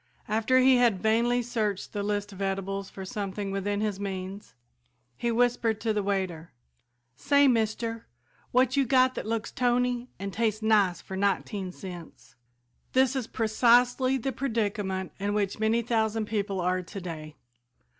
After he had vainly searched the list of edibles for something within his means, he whispered to the waiter, "Say, Mister, what you got that looks tony an' tastes nice for nineteen cents?" This is precisely the predicament in which many thousand people are today.